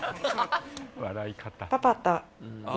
笑い方！